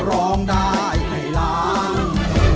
ร้องได้ให้ล้าน